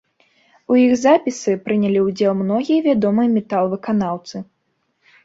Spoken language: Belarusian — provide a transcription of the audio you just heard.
У іх запісы прынялі ўдзелу многія вядомыя метал-выканаўцы.